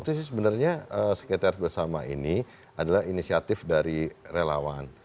itu sih sebenarnya sekretaris bersama ini adalah inisiatif dari relawan